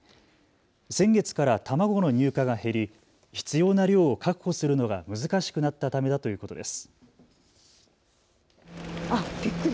先月から卵の入荷が減り必要な量を確保するのが難しくなったためだということです。